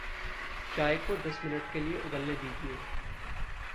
चाय को दस मिनट के लिए उबलने दीजिए।